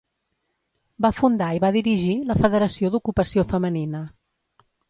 Va fundar i va dirigir la Federació d'Ocupació Femenina.